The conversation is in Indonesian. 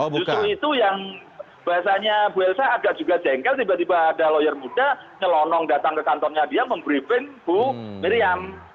justru itu yang bahasanya bu elsa agak juga jengkel tiba tiba ada lawyer muda nyelonong datang ke kantornya dia membriefing bu miriam